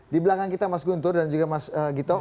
di belakang kita mas guntur dan juga mas gito